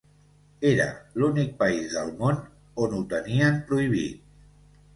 Era l’únic país del món on ho tenien prohibit.